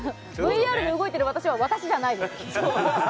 ＶＲで踊ってるのは私じゃないです。